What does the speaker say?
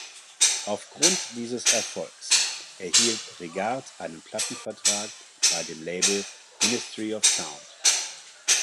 Aufgrund dieses Erfolgs erhielt Regard einen Plattenvertrag beim Label Ministry of Sound.